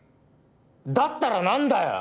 だったらなんだよ！